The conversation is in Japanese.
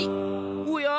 おや！